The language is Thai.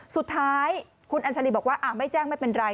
สุดท้ายคุณอัญชาลีบอกว่าไม่แจ้งไม่เป็นไร